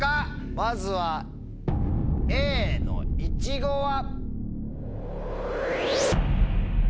まずはＡのイチゴは？